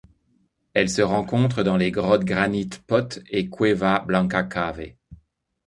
Elle se rencontre dans les grottes Granite Pot et Cueva Blanca Cave.